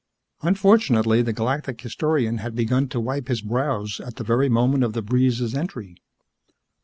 Unfortunately, the Galactic Historian had begun to wipe his brows at the very moment of the breeze's entry.